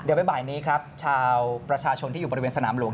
เดี๋ยวบ่ายนี้ครับชาวประชาชนที่อยู่บริเวณสนามหลวง